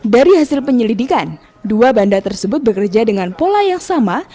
dari hasil penyelidikan dua bandar tersebut bekerja dengan pola yang sama